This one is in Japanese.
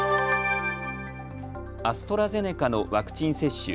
アストラゼネカのワクチン接種。